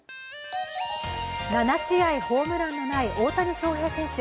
７試合ホームランのない大谷翔平選手。